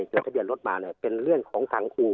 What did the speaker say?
จนทะเบียนรถมาเนี่ยเป็นเรื่องของทางคู่